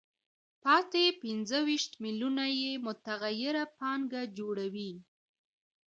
پاتې پنځه ویشت میلیونه یې متغیره پانګه جوړوي